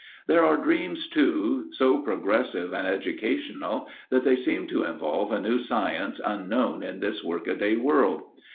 There are dreams, too, so progressive and educational that they seem to involve a new science unknown in this workaday world.